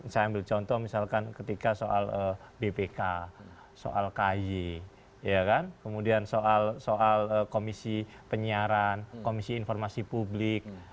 saya ambil contoh misalkan ketika soal bpk soal kay kemudian soal komisi penyiaran komisi informasi publik